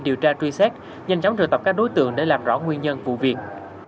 điều tra truy xét nhanh chóng trượt tập các đối tượng để làm rõ nguyên nhân vụ việc